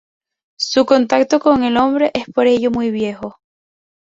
Su contacto con el hombre es por ello muy viejo.